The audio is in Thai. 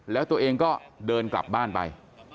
แล้วตัวเองก็เดินกลับบ้านไป